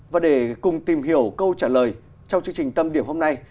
và để cùng tìm hiểu câu trả lời trong chương trình tâm điểm hôm nay